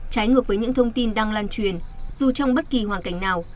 trái ngược với những thông tin đang lan truyền dù trong bất kỳ hoàn cảnh nào